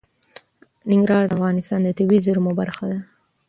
ننګرهار د افغانستان د طبیعي زیرمو برخه ده.